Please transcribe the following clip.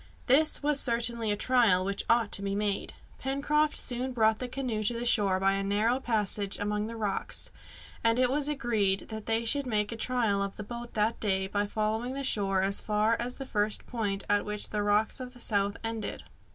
This was certainly a trial which ought to be made. Pencroft soon brought the canoe to the shore by a narrow passage among the rocks, and it was agreed that they should make a trial of the boat that day by following the shore as far as the first point at which the rocks of the south ended.